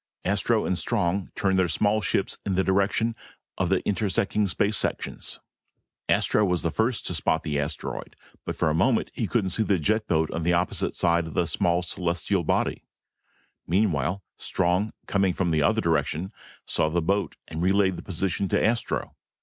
Astro and Strong turned their small ships in the direction of the intersecting space sections. Astro was the first to spot the asteroid, but for a moment he couldn't see the jet boat on the opposite side of the small celestial body. Meanwhile, Strong, coming from the other direction, saw the boat and relayed the position to Astro.